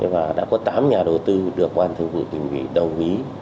và đã có tám nhà đầu tư được ban thư vụ tỉnh bị đồng ý